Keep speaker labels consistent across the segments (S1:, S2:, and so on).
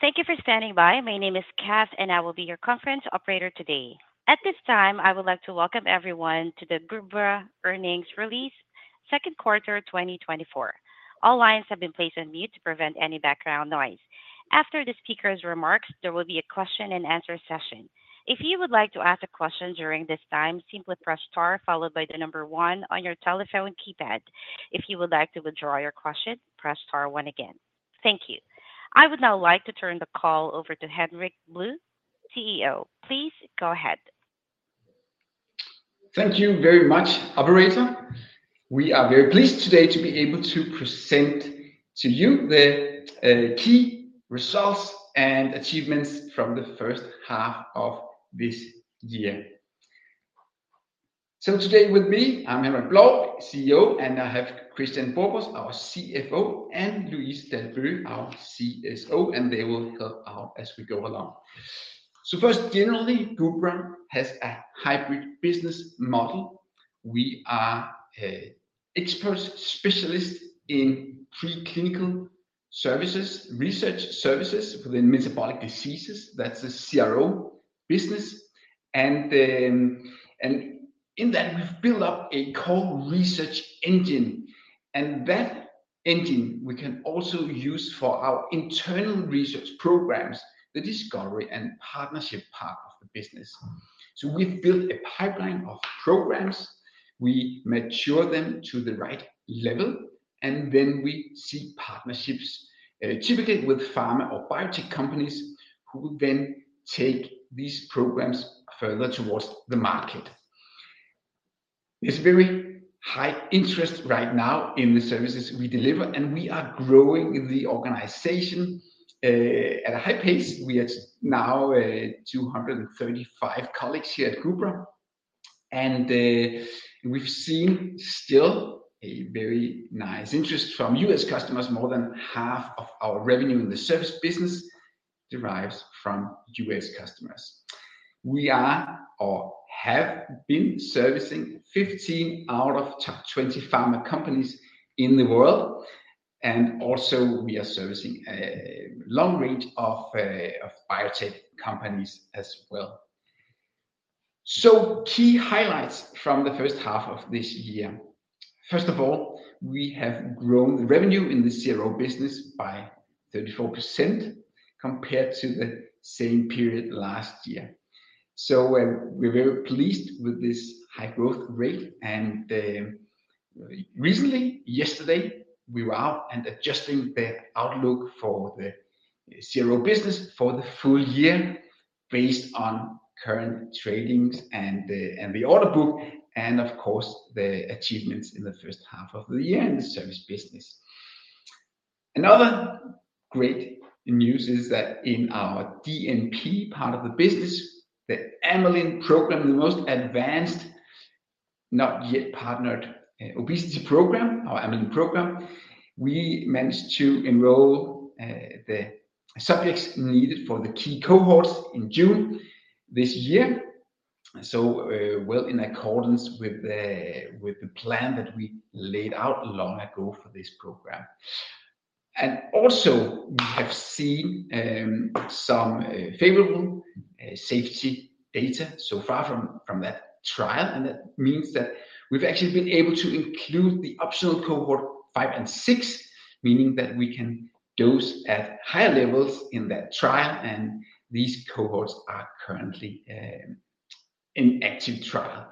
S1: Thank you for standing by. My name is Cath, and I will be your conference operator today. At this time, I would like to welcome everyone to the Gubra Earnings Release, Q2, 2024. All lines have been placed on mute to prevent any background noise. After the speaker's remarks, there will be a question and answer session. If you would like to ask a question during this time, simply press Star followed by the number one on your telephone keypad. If you would like to withdraw your question, press Star one again. Thank you. I would now like to turn the call over to Henrik Blou, CEO. Please go ahead.
S2: Thank you very much, operator. We are very pleased today to be able to present to you the key results and achievements from the first half of this year. Today with me, I'm Henrik Blou, CEO, and I have Kristian Borbos, our CFO, and Louise Dalbøge, our CSO, and they will help out as we go along. First, generally, Gubra has a hybrid business model. We are experts, specialists in preclinical services, research services within metabolic diseases, that's a CRO business. And then, and in that, we've built up a core research engine, and that engine we can also use for our internal research programs, the discovery and partnership part of the business. So we've built a pipeline of programs. We mature them to the right level, and then we seek partnerships, typically with pharma or biotech companies, who will then take these programs further towards the market. There's very high interest right now in the services we deliver, and we are growing in the organization, at a high pace. We are now 235 colleagues here at Gubra, and we've seen still a very nice interest from U.S. customers. More than half of our revenue in the service business derives from U.S. customers. We are or have been servicing 15 out of top 20 pharma companies in the world, and also we are servicing a long range of biotech companies as well. So key highlights from the first half of this year. First of all, we have grown the revenue in the CRO business by 34% compared to the same period last year. So, we're very pleased with this high growth rate, and, recently, yesterday, we were out and adjusting the outlook for the CRO business for the full year based on current trading and the order book, and of course, the achievements in the first half of the year in the service business. Another great news is that in our DNP part of the business, the amylin program, the most advanced, not yet partnered, obesity program, our amylin program, we managed to enroll the subjects needed for the key cohorts in June this year. So, well, in accordance with the plan that we laid out long ago for this program. We have also seen some favorable safety data so far from that trial, and that means that we've actually been able to include the optional cohort five and six, meaning that we can dose at higher levels in that trial, and these cohorts are currently in active trial.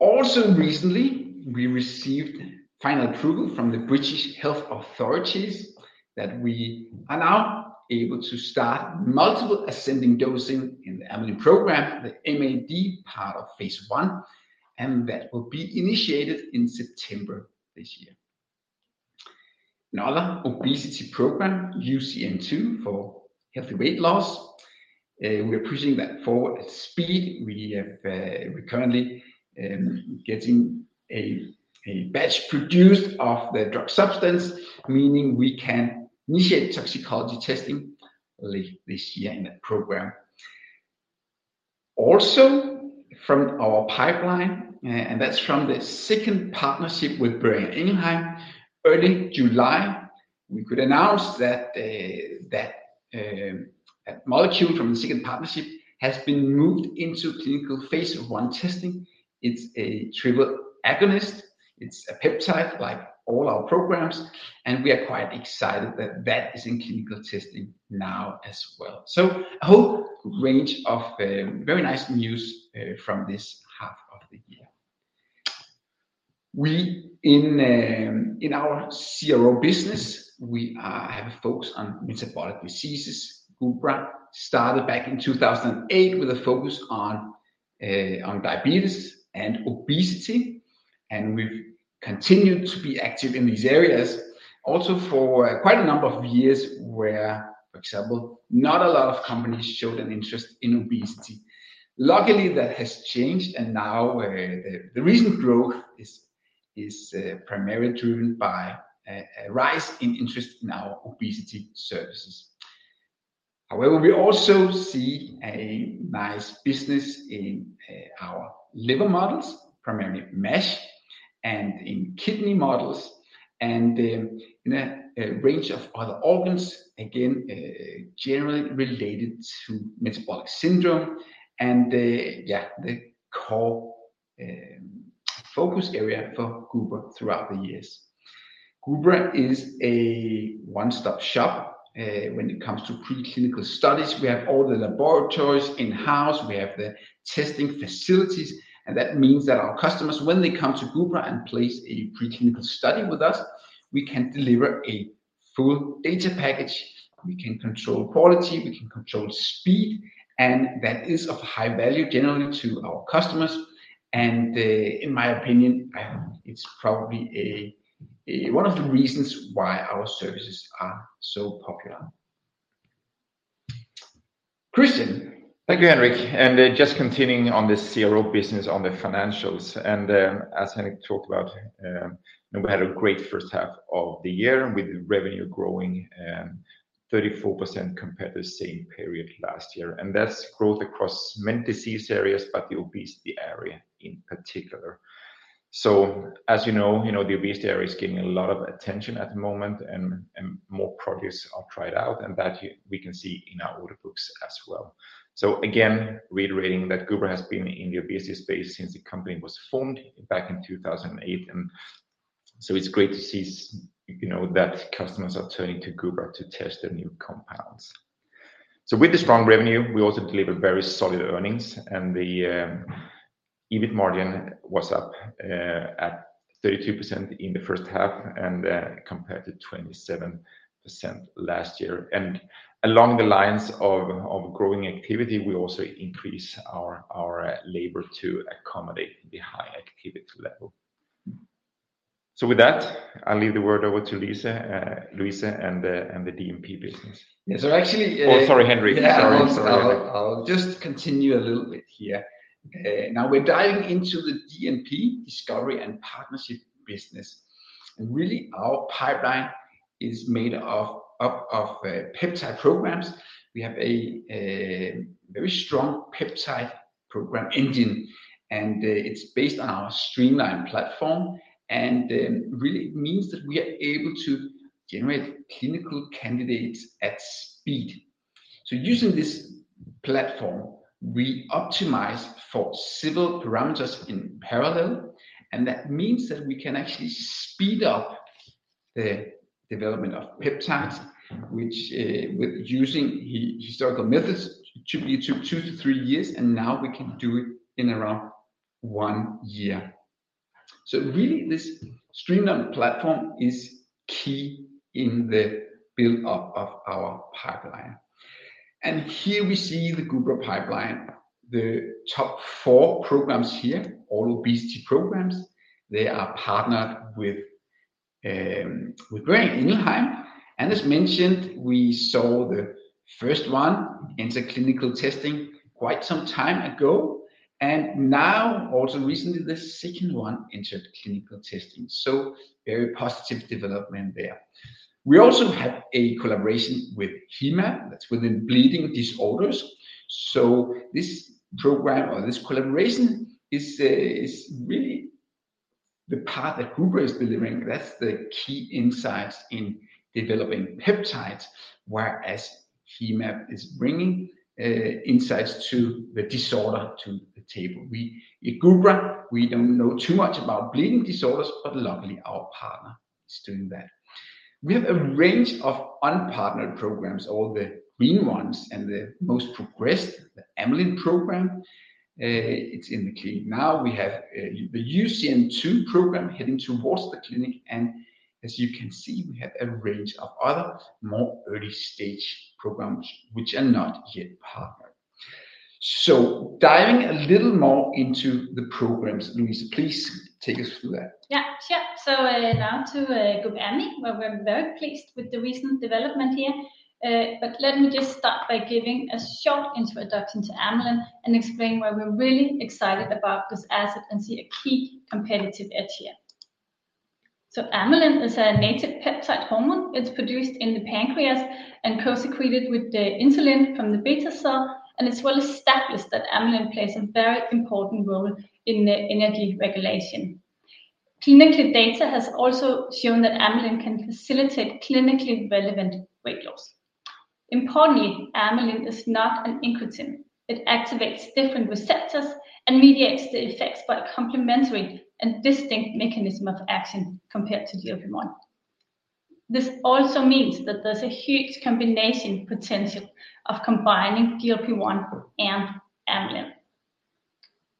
S2: Also recently, we received final approval from the British health authorities that we are now able to start multiple ascending dosing in the amylin Program, the MAD part of phase 1, and that will be initiated in September this year. Another obesity program, UCN2, for healthy weight loss, we are pushing that forward at speed. We're currently getting a batch produced of the drug substance, meaning we can initiate toxicology testing late this year in that program. Also, from our pipeline, and that's from the second partnership with Boehringer Ingelheim, early July, we could announce that a molecule from the second partnership has been moved into clinical phase I testing. It's a triple agonist. It's a peptide, like all our programs, and we are quite excited that that is in clinical testing now as well. So a whole range of very nice news from this half of the year. We, in our CRO business, have a focus on metabolic diseases. Gubra started back in 2008 with a focus on diabetes and obesity, and we've continued to be active in these areas also for quite a number of years, where, for example, not a lot of companies showed an interest in obesity. Luckily, that has changed, and now the recent growth is primarily driven by a rise in interest in our obesity services. However, we also see a nice business in our liver models, primarily MASH and in kidney models, and in a range of other organs, again generally related to metabolic syndrome and the core focus area for Gubra throughout the years. Gubra is a one-stop shop when it comes to preclinical studies. We have all the laboratories in-house, we have the testing facilities, and that means that our customers, when they come to Gubra and place a preclinical study with us, we can deliver a full data package. We can control quality, we can control speed, and that is of high value generally to our customers, and in my opinion, it's probably one of the reasons why our services are so popular. Kristian?
S3: Thank you, Henrik. And just continuing on this CRO business on the financials, and as Henrik talked about, and we had a great first half of the year with revenue growing 34% compared to the same period last year. And that's growth across many disease areas, but the obesity area in particular. So as you know, you know, the obesity area is getting a lot of attention at the moment, and more products are tried out, and that we can see in our order books as well. So again, reiterating that Gubra has been in the obesity space since the company was formed back in two thousand and eight, and so it's great to see, you know, that customers are turning to Gubra to test their new compounds. With the strong revenue, we also deliver very solid earnings, and the EBIT margin was up at 32% in the first half, compared to 27% last year. Along the lines of growing activity, we also increase our labor to accommodate the high activity level. With that, I'll leave the word over to Louise and the DNP business.
S2: Yeah. So actually,
S3: Oh, sorry, Henrik. Sorry. Sorry.
S2: Yeah. I'll just continue a little bit here. Now we're diving into the DNP, discovery and partnership business, and really, our pipeline is made of peptide programs. We have a very strong peptide program engine, and it's based on our streamlined platform, and really it means that we are able to generate clinical candidates at speed. So using this platform, we optimize for several parameters in parallel, and that means that we can actually speed up the development of peptides, which with using historical methods, typically took two to three years, and now we can do it in around one year. So really, this streamlined platform is key in the build-up of our pipeline. Here we see the Gubra pipeline. The top four programs here, all obesity programs, they are partnered with Boehringer Ingelheim. As mentioned, we saw the first one enter clinical testing quite some time ago, and now also recently, the second one entered clinical testing. Very positive development there. We also have a collaboration with Hemab, that's within bleeding disorders. This program or this collaboration is really the part that Gubra is delivering. That's the key insights in developing peptides, whereas Hemab is bringing insights to the disorder to the table. We, in Gubra, we don't know too much about bleeding disorders, but luckily, our partner is doing that. We have a range of unpartnered programs, all the green ones, and the most progressed, the Amylin program, it's in the clinic now. We have the UCN2 program heading towards the clinic, and as you can see, we have a range of other more early-stage programs which are not yet partnered. So, diving a little more into the programs, Louise, please take us through that.
S4: Yeah. Sure, so now to GUBamy, where we're very pleased with the recent development here, but let me just start by giving a short introduction to Amylin and explain why we're really excited about this asset and see a key competitive edge here, so Amylin is a native peptide hormone. It's produced in the pancreas and co-secreted with the insulin from the beta cell, and it's well established that Amylin plays a very important role in the energy regulation. Clinical data has also shown that Amylin can facilitate clinically relevant weight loss. Importantly, Amylin is not an incretin. It activates different receptors and mediates the effects by a complementary and distinct mechanism of action compared to GLP-1. This also means that there's a huge combination potential of combining GLP-1 and Amylin.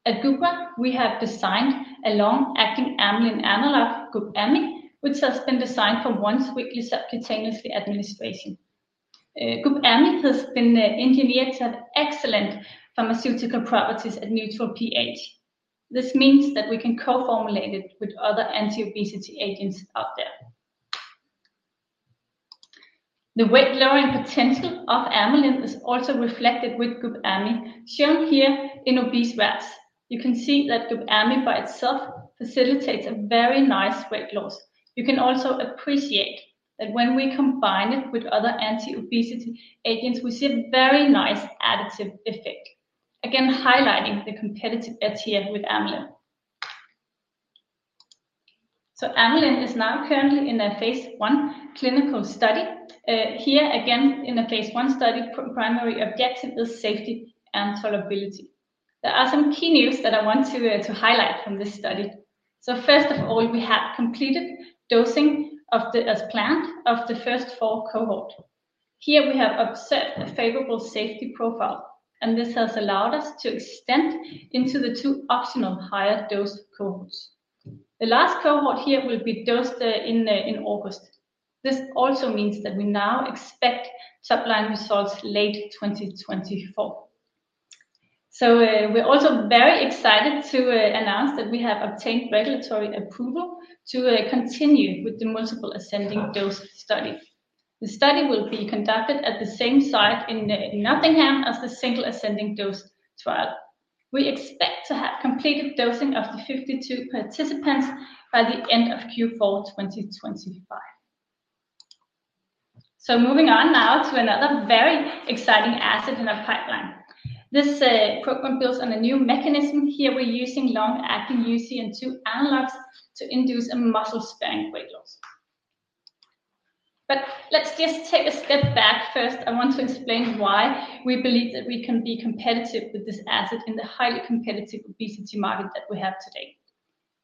S4: At Gubra, we have designed a long-acting Amylin analog, GUBamy, which has been designed for once-weekly subcutaneous administration. GUBamy has been engineered to have excellent pharmaceutical properties at neutral pH. This means that we can co-formulate it with other anti-obesity agents out there. The weight-lowering potential of Amylin is also reflected with GUBamy, shown here in obese rats. You can see that GUBamy by itself facilitates a very nice weight loss. You can also appreciate that when we combine it with other anti-obesity agents, we see a very nice additive effect, again, highlighting the competitive edge here with Amylin. So Amylin is now currently in a phase I clinical study. Here again, in the phase I study, primary objective is safety and tolerability. There are some key news that I want to highlight from this study. First of all, we have completed dosing of the SAD, as planned, of the first four cohorts. Here, we have observed a favorable safety profile, and this has allowed us to extend into the two optional higher dose cohorts. The last cohort here will be dosed in August. This also means that we now expect top-line results late 2024. We're also very excited to announce that we have obtained regulatory approval to continue with the multiple ascending dose study. The study will be conducted at the same site in Nottingham as the single ascending dose trial. We expect to have completed dosing of the 52 participants by the end of Q4 2025. Moving on now to another very exciting asset in our pipeline. This program builds on a new mechanism. Here, we're using long-acting UCN2 analogs to induce a muscle-sparing weight loss. But let's just take a step back first. I want to explain why we believe that we can be competitive with this asset in the highly competitive obesity market that we have today.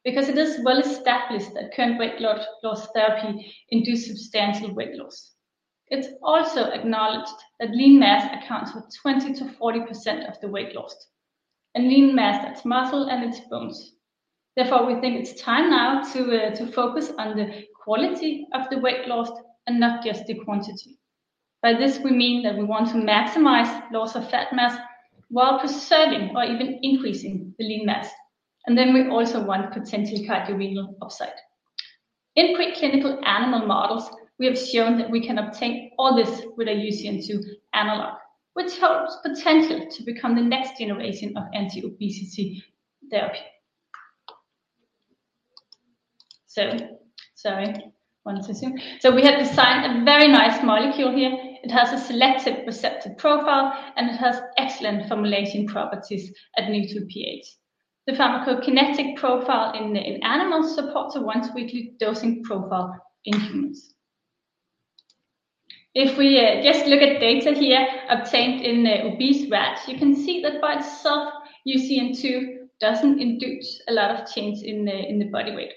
S4: Because it is well established that current weight loss therapy induce substantial weight loss. It's also acknowledged that lean mass accounts for 20%-40% of the weight lost, and lean mass, that's muscle and it's bones. Therefore, we think it's time now to focus on the quality of the weight lost and not just the quantity. By this, we mean that we want to maximize loss of fat mass while preserving or even increasing the lean mass, and then we also want potential cardiovascular upside. In preclinical animal models, we have shown that we can obtain all this with a UCN2 analog, which helps potentially to become the next generation of anti-obesity therapy. So, sorry, one second. So we have designed a very nice molecule here. It has a selective receptor profile, and it has excellent formulation properties at neutral pH. The pharmacokinetic profile in animals supports a once-weekly dosing profile in humans. If we just look at data here obtained in the obese rats, you can see that by itself, UCN2 doesn't induce a lot of change in the body weight.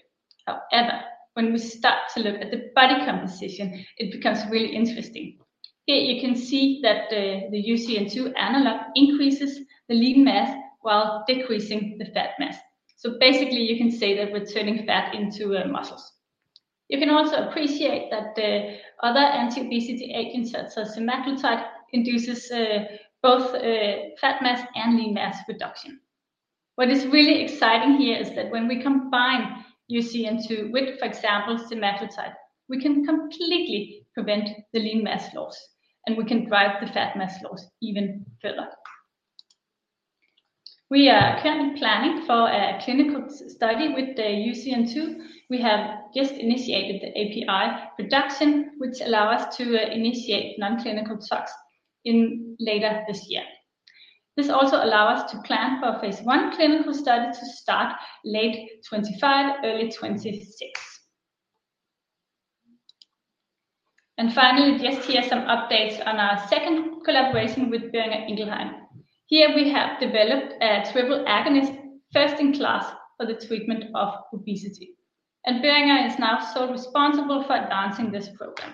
S4: However, when we start to look at the body composition, it becomes really interesting. Here you can see that the UCN2 analog increases the lean mass while decreasing the fat mass. So basically, you can say that we're turning fat into muscles. You can also appreciate that the other anti-obesity agents, such as semaglutide, induces both fat mass and lean mass reduction. What is really exciting here is that when we combine UCN2 with, for example, semaglutide, we can completely prevent the lean mass loss, and we can drive the fat mass loss even further. We are currently planning for a clinical study with the UCN2. We have just initiated the API production, which allow us to initiate non-clinical talks in later this year. This also allow us to plan for a phase I clinical study to start late 2025, early 2026. And finally, just here, some updates on our second collaboration with Boehringer Ingelheim. Here we have developed a triple agonist, first in class for the treatment of obesity, and Boehringer is now sole responsible for advancing this program.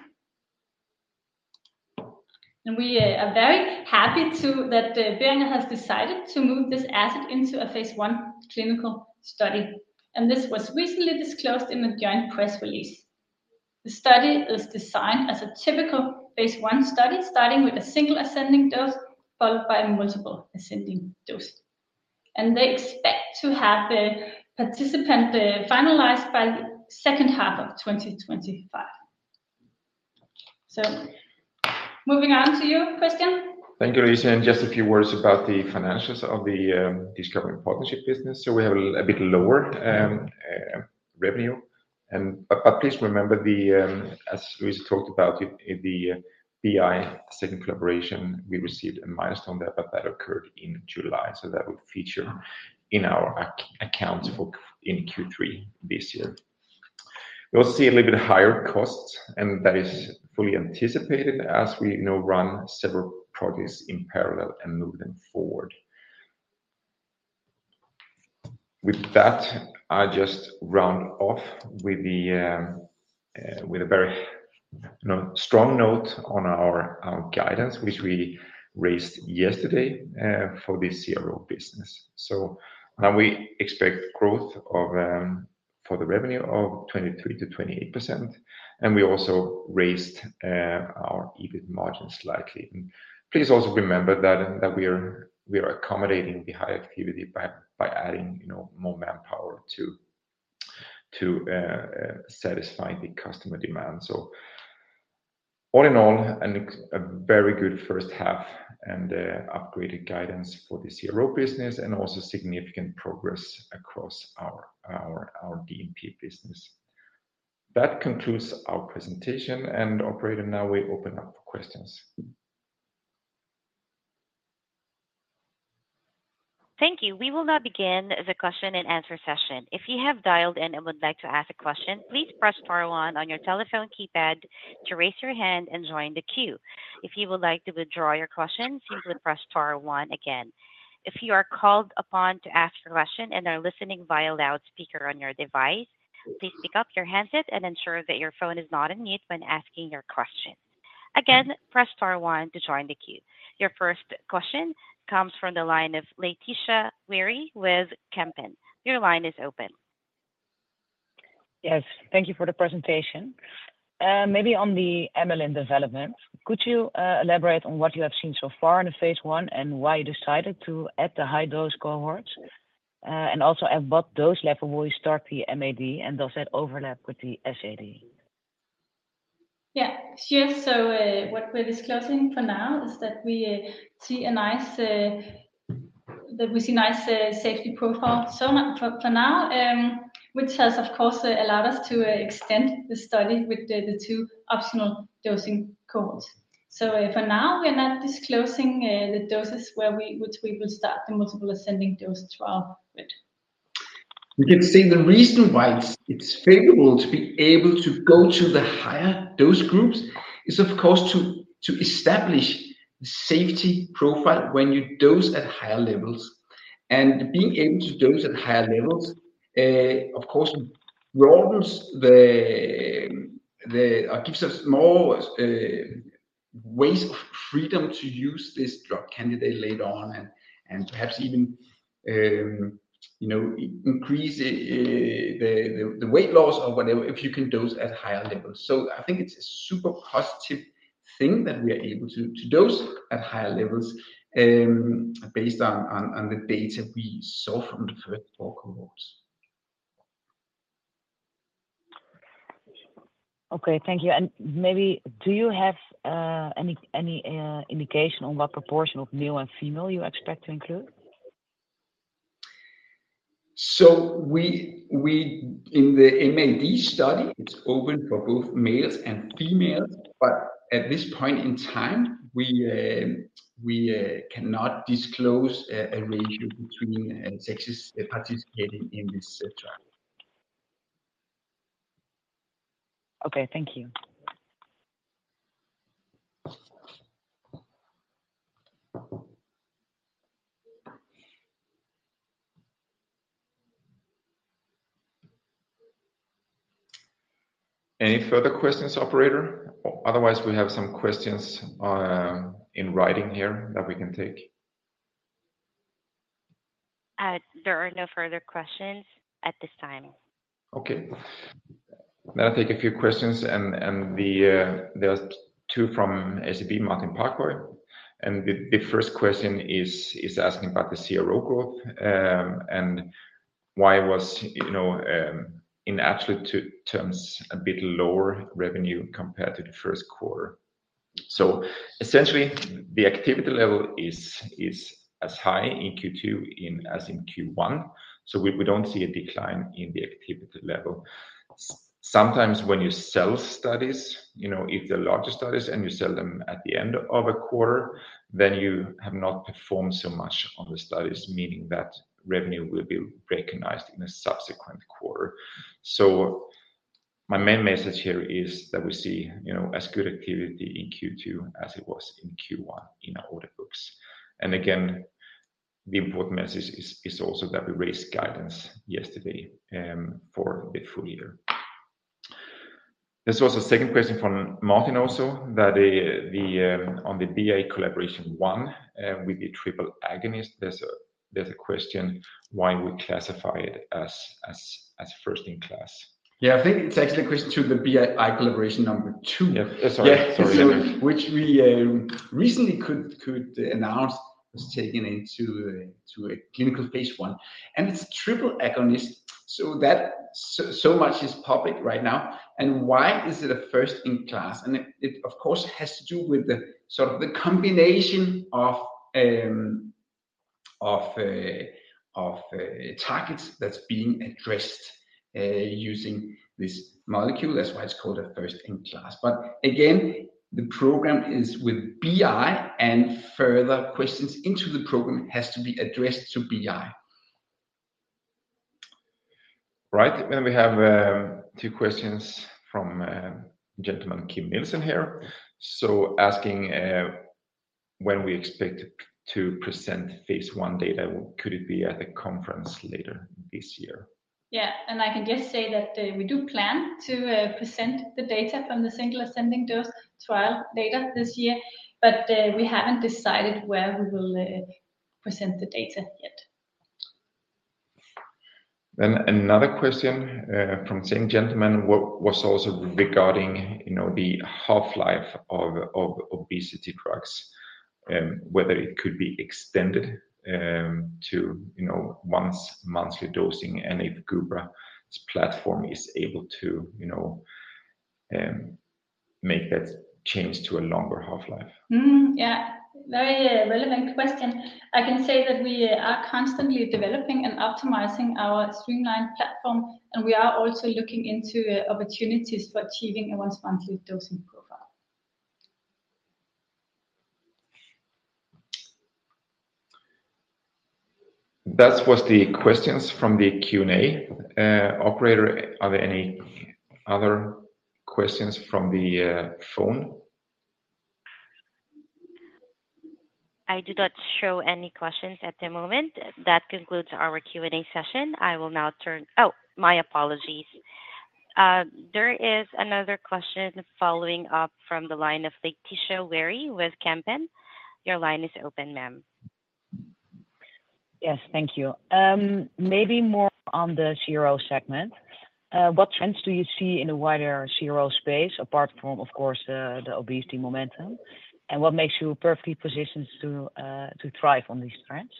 S4: And we are very happy to... that, Boehringer has decided to move this asset into a phase I clinical study, and this was recently disclosed in a joint press release. The study is designed as a typical phase I study, starting with a single ascending dose, followed by a multiple ascending dose. And they expect to have the participant finalized by the second half of 2025. So moving on to you, Kristian.
S3: Thank you, Louise. And just a few words about the financials of the discovery partnership business. So we have a bit lower revenue, and, but please remember the, as we talked about it, in the BI second collaboration, we received a milestone there, but that occurred in July, so that will feature in our accounts for in Q3 this year. We'll see a little bit higher costs, and that is fully anticipated as we now run several projects in parallel and move them forward. With that, I just round off with a very, you know, strong note on our guidance, which we raised yesterday, for this CRO business. So now we expect growth of for the revenue of 23%-28%, and we also raised our EBIT margin slightly. Please also remember that we are accommodating the high activity by adding, you know, more manpower to satisfy the customer demand. So all in all, a very good first half and upgraded guidance for the CRO business and also significant progress across our DNP business. That concludes our presentation, and operator, now we open up for questions.
S1: Thank you. We will now begin the question and answer session. If you have dialed in and would like to ask a question, please press star one on your telephone keypad to raise your hand and join the queue. If you would like to withdraw your question, simply press star one again. If you are called upon to ask your question and are listening via loudspeaker on your device, please pick up your handset and ensure that your phone is not on mute when asking your question. Again, press star one to join the queue. Your first question comes from the line of Laetitia Wehry with Kempen. Your line is open.
S5: Yes, thank you for the presentation. Maybe on the Amylin development, could you elaborate on what you have seen so far in the phase 1, and why you decided to add the high dose cohorts? And also at what dose level will you start the MAD, and does that overlap with the SAD?
S4: Yeah, sure. So, what we're disclosing for now is that we see a nice safety profile. So for now, which has, of course, allowed us to extend the study with the two optional dosing cohorts. So for now, we're not disclosing the doses which we will start the multiple ascending dose trial with.
S2: You can say the reason why it's favorable to be able to go to the higher dose groups is, of course, to establish the safety profile when you dose at higher levels. And being able to dose at higher levels, of course, broadens gives us more ways of freedom to use this drug candidate later on, and perhaps even, you know, increase the weight loss or whatever, if you can dose at higher levels. So I think it's a super positive thing that we are able to dose at higher levels, based on the data we saw from the first four cohorts.
S5: Okay, thank you. And maybe do you have any indication on what proportion of male and female you expect to include?
S2: We, in the MAD study, it's open for both males and females, but at this point in time, we cannot disclose a ratio between sexes participating in this trial.
S5: Okay, thank you.
S3: Any further questions, operator? Otherwise, we have some questions in writing here that we can take.
S1: There are no further questions at this time.
S3: Okay. Then I'll take a few questions, and there's two from SEB, Martin Parkhøi. The first question is asking about the CRO group, and why was, you know, in absolute terms, a bit lower revenue compared to the first quarter. So essentially, the activity level is as high in Q2 as in Q1, so we don't see a decline in the activity level. Sometimes when you sell studies, you know, if they're larger studies and you sell them at the end of a quarter, then you have not performed so much on the studies, meaning that revenue will be recognized in a subsequent quarter. So my main message here is that we see, you know, as good activity in Q2 as it was in Q1, in our order books. Again, the important message is also that we raised guidance yesterday for the full year. There's also a second question from Martin also that on the BI collaboration one with the triple agonist. There's a question why we classify it as first in class.
S2: Yeah. I think it's actually a question to the BI collaboration number two.
S3: Yeah. Sorry. Sorry.
S2: Yeah, so which we recently could announce was taken into a clinical phase 1, and it's a triple agonist, so that much is public right now. And why is it a first in class? And it of course has to do with the sort of the combination of targets that's being addressed using this molecule, that's why it's called a first in class. But again, the program is with BI, and further questions into the program has to be addressed to BI.
S3: Right. Then we have two questions from gentleman Kim Nielsen here. So asking when we expect to present phase I data, could it be at a conference later this year?
S4: Yeah, and I can just say that, we do plan to present the data from the single ascending dose trial data this year, but, we haven't decided where we will present the data yet.
S3: Then another question from the same gentleman, what was also regarding, you know, the half-life of obesity drugs, whether it could be extended to, you know, once monthly dosing, and if Gubra's platform is able to, you know-...
S2: make that change to a longer half-life?
S4: Yeah, very relevant question. I can say that we are constantly developing and optimizing our streamlined platform, and we are also looking into opportunities for achieving a once-monthly dosing profile.
S2: That was the questions from the Q&A. Operator, are there any other questions from the phone?
S1: I do not show any questions at the moment. That concludes our Q&A session. I will now turn... Oh, my apologies. There is another question following up from the line of Laetitia Wehry with Kempen. Your line is open, ma'am.
S5: Yes, thank you. Maybe more on the CRO segment. What trends do you see in the wider CRO space, apart from, of course, the obesity momentum? And what makes you perfectly positioned to thrive on these trends?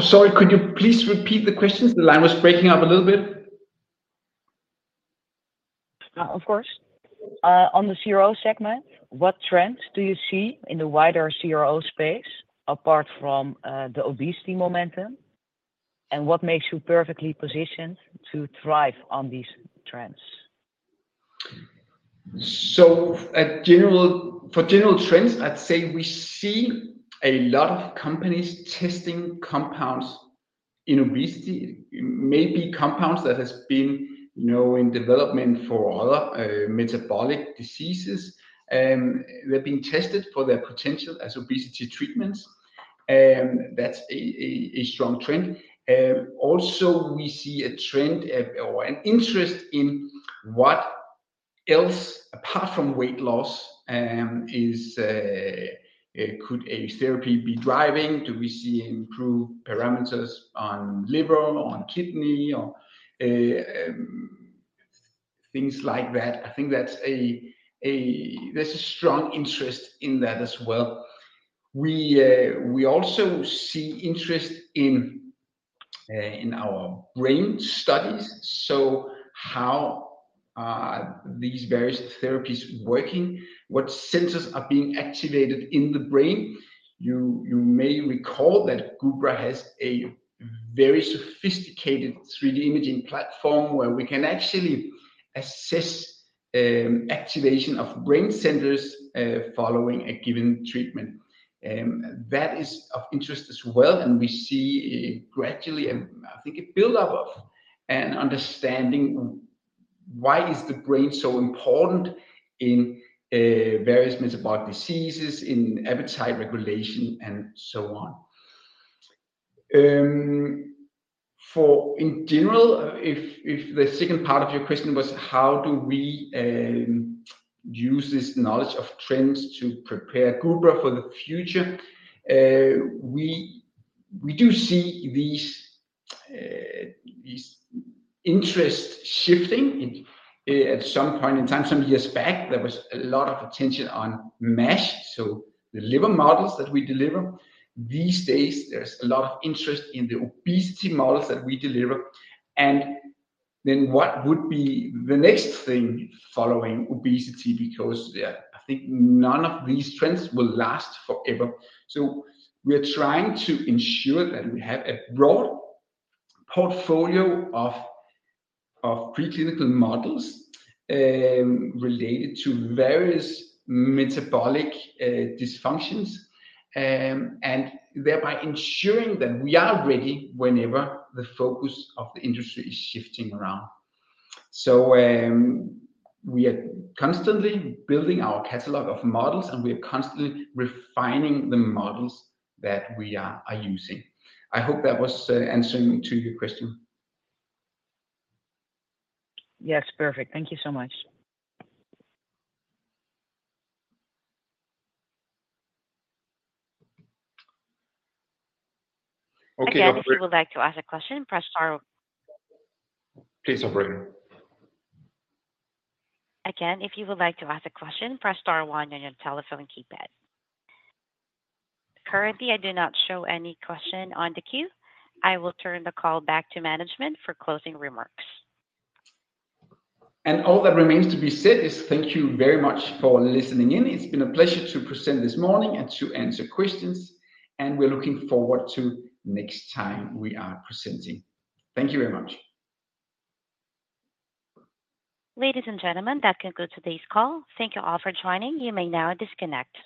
S2: Sorry, could you please repeat the question? The line was breaking up a little bit.
S5: Of course. On the CRO segment, what trends do you see in the wider CRO space, apart from the obesity momentum, and what makes you perfectly positioned to thrive on these trends?
S2: For general trends, I'd say we see a lot of companies testing compounds in obesity, maybe compounds that has been, you know, in development for other metabolic diseases, they're being tested for their potential as obesity treatments, that's a strong trend. Also, we see a trend, or an interest in what else, apart from weight loss, could a therapy be driving? Do we see improved parameters on liver, on kidney, or things like that? I think there's a strong interest in that as well. We also see interest in our brain studies, so how are these various therapies working? What centers are being activated in the brain? You may recall that Gubra has a very sophisticated 3D imaging platform, where we can actually assess activation of brain centers following a given treatment. That is of interest as well, and we see gradually I think a buildup of an understanding why the brain is so important in various metabolic diseases, in appetite regulation, and so on. In general, if the second part of your question was how do we use this knowledge of trends to prepare Gubra for the future. We do see these interests shifting in. At some point in time, some years back, there was a lot of attention on MASH, so the liver models that we deliver. These days, there's a lot of interest in the obesity models that we deliver, and then what would be the next thing following obesity? Because, yeah, I think none of these trends will last forever. So we are trying to ensure that we have a broad portfolio of preclinical models related to various metabolic dysfunctions, and thereby ensuring that we are ready whenever the focus of the industry is shifting around. So, we are constantly building our catalog of models, and we are constantly refining the models that we are using. I hope that was answering to your question.
S5: Yes, perfect. Thank you so much.
S2: Okay, operator-
S1: Again, if you would like to ask a question, press star-
S2: Please, operator.
S1: Again, if you would like to ask a question, press star one on your telephone keypad. Currently, I do not show any question on the queue. I will turn the call back to management for closing remarks.
S2: All that remains to be said is thank you very much for listening in. It's been a pleasure to present this morning and to answer questions, and we're looking forward to next time we are presenting. Thank you very much.
S1: Ladies and gentlemen, that concludes today's call. Thank you all for joining. You may now disconnect.